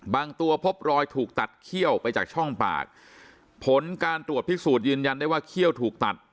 ตัวพบรอยถูกตัดเขี้ยวไปจากช่องปากผลการตรวจพิสูจน์ยืนยันได้ว่าเขี้ยวถูกตัด